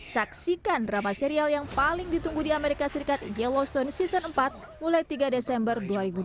saksikan drama serial yang paling ditunggu di amerika serikat yellowstone season empat mulai tiga desember